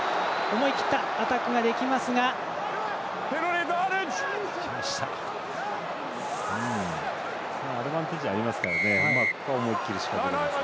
思い切ったアタックができます。